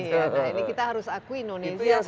iya nah ini kita harus akui indonesia